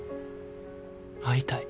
会いたい。